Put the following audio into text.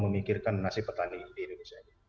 memikirkan nasib petani di indonesia ini